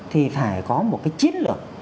thì phải có một cái chiến lược